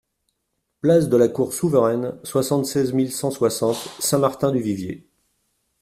Place de la Cour Souveraine, soixante-seize mille cent soixante Saint-Martin-du-Vivier